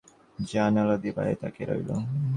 জানোলা দিয়ে বাইরে তাকিয়ে রইল।